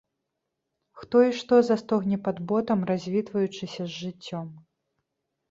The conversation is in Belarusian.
Хто і што застогне пад ботам, развітваючыся з жыццём?